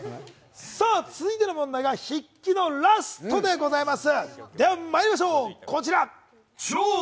続いての問題が筆記のラストでございます。